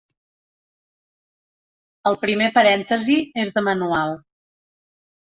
El primer parèntesi és de manual.